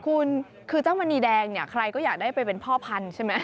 คุณคือเจ้ามณีแดงเนี่ยใครก็อยากได้ไปเป็นพ่อพันธุ์ใช่ไหม